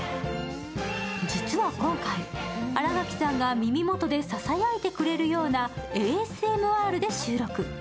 実は今回、新垣さんが耳元でささやいてくれるようなＡＳＭＲで収録。